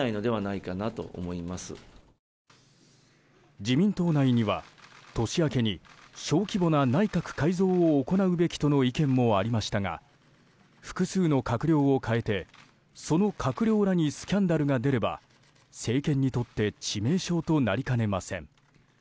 自民党内には年明けに小規模な内閣改造を行うべきとの意見もありましたが複数の閣僚を代えてその閣僚らにスキャンダルが出れば政権にとって致命傷となりかねません。